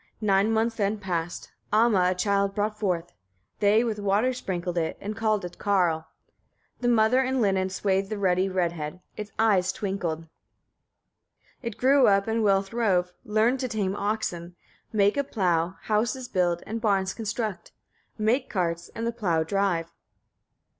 Nine months then passed away. Amma a child brought forth, they with water sprinkled it, and called it Karl. The mother in linen swathed the ruddy redhead: its eyes twinkled. 19. It grew up, and well throve; learned to tame oxen, make a plough, houses build, and barns construct, make carts, and the plough drive.